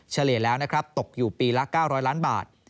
เฉลี่ยแล้วนะครับตกอยู่ปีละ๙๐๐ล้านบาท